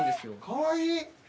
かわいい！